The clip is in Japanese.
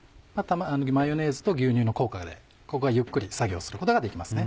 マヨネーズと牛乳の効果でここはゆっくり作業することができますね。